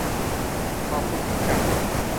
ขอบคุณผู้จัด